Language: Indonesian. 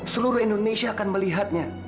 seluruh indonesia akan melihatnya